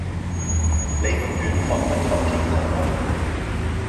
你永遠看不透結果